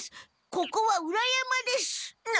ここは裏山です。な！？